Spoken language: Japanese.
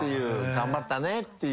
頑張ったねっていう。